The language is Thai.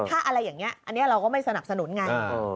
ถ้าอะไรอย่างนี้อันนี้เราก็ไม่สนับสนุนไง